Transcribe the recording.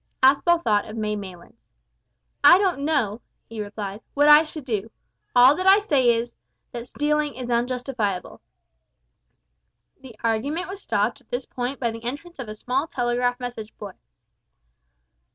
Aspel thought of May Maylands. "I don't know," he replied, "what I should do. All that I say is, that stealing is unjustifiable." The argument was stopped at this point by the entrance of a small telegraph message boy.